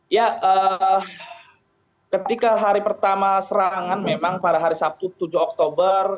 ya ketika hari pertama serangan memang pada hari sabtu tujuh oktober